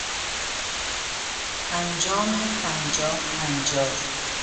انجام پنجاه هنجار